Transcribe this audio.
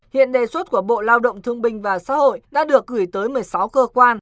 hiện đề xuất của bộ lao động thương binh và xã hội đã được gửi tới một mươi sáu cơ quan